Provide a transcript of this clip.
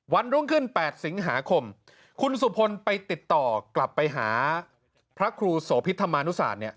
รุ่งขึ้น๘สิงหาคมคุณสุพลไปติดต่อกลับไปหาพระครูโสพิษธรรมานุศาสตร์เนี่ย